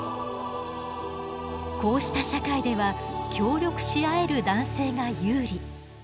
こうした社会では協力し合える男性が有利。